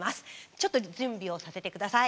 ちょっと準備をさせて下さい。